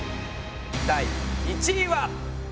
第１位は。